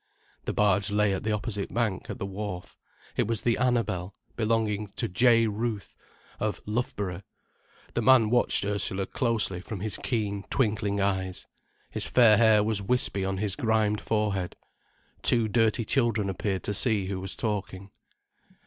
The barge lay at the opposite bank, at the wharf. It was the Annabel, belonging to J. Ruth of Loughborough. The man watched Ursula closely from his keen, twinkling eyes. His fair hair was wispy on his grimed forehead. Two dirty children appeared to see who was talking.